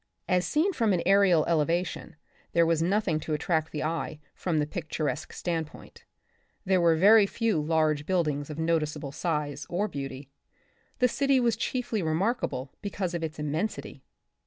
As seen from an aerial elevation, there was nothing to attract the eye from the picturesque standpoint — there were few large buildings of noticeable size or beauty. The city was chiefly remarkable because of its immensity.